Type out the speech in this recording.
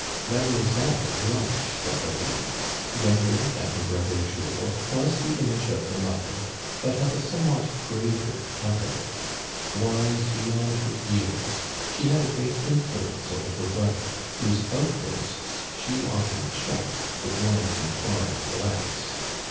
Mademoiselle Blanche d'Haberville, younger than her brother Jules, was the image of her mother, but of a somewhat graver temperament. Wise beyond her years, she had a great influence over her brother, whose out bursts she often checked with one imploring glance.